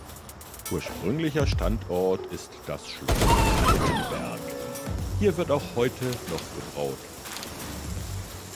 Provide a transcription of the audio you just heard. Ursprünglicher Standort ist das Schloss Kaltenberg, hier wird auch heute noch gebraut.